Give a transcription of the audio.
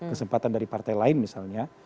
kesempatan dari partai lain misalnya